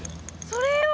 それよ！